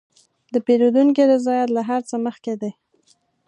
د پیرودونکي رضایت له هر څه مخکې دی.